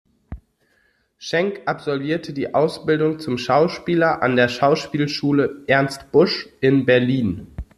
Schenk absolvierte die Ausbildung zum Schauspieler an der Schauspielschule „Ernst Busch“ in Berlin.